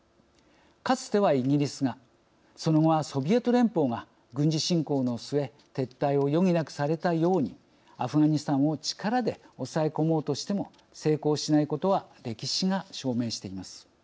かつてはイギリスがその後はソビエト連邦が軍事侵攻の末撤退を余儀なくされたようにアフガニスタンを力で抑え込もうとしても成功しないことは歴史が証明しています。